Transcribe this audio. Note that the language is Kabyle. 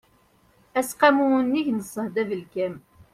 aseqqamu unnig n ṣṣehd abelkam